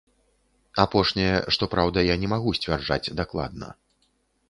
Апошняе, што праўда, я не магу сцвярджаць дакладна.